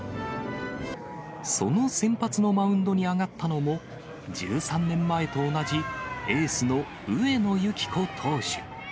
その先発のマウンドに上がったのも、１３年前と同じエースの上野由岐子投手。